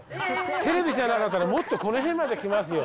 テレビじゃなかったら、もっとこの辺まで来ますよ。